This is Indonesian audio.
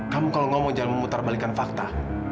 kamu kalau ngomong jangan memutar balikan fakta